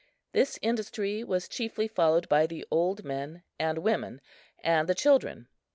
This industry was chiefly followed by the old men and women and the children.